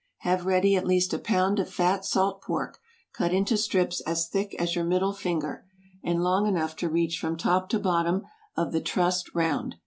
Have ready at least a pound of fat salt pork, cut into strips as thick as your middle finger, and long enough to reach from top to bottom of the trussed round.